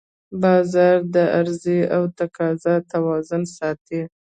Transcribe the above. بازار د عرضې او تقاضا توازن ساتي